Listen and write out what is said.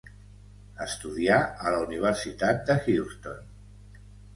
Estudià a la Universitat de Houston.